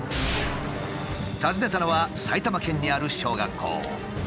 訪ねたのは埼玉県にある小学校。